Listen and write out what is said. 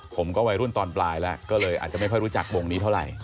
วัยรุ่นตอนปลายแล้วก็เลยอาจจะไม่ค่อยรู้จักวงนี้เท่าไหร่